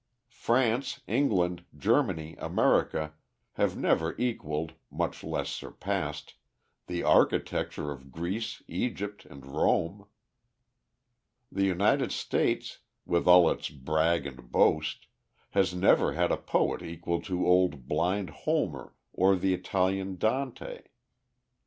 France, England, Germany, America, have never equaled, much less surpassed, the architecture of Greece, Egypt, and Rome. The United States, with all its brag and boast, has never had a poet equal to old blind Homer or the Italian Dante.